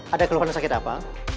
ada keluhan sakit apa